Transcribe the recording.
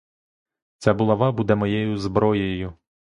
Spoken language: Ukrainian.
Ця булава буде моєю зброєю.